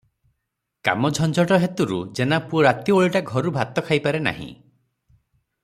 କାମ ଝଞ୍ଜଟ ହେତୁରୁ ଜେନାପୁଅ ରାତିଓଳିଟା ଘରୁଭାତ ଖାଇପାରେ ନାହିଁ ।